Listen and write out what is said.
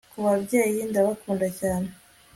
kubabyeyi ndabakunda cyane